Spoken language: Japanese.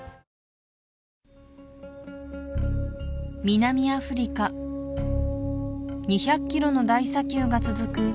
南アフリカ２００ｋｍの大砂丘が続く